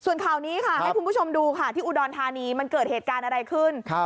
ส่วนข่าวนี้ค่ะให้คุณผู้ชมดูค่ะที่อุดรธานีมันเกิดเหตุการณ์อะไรขึ้น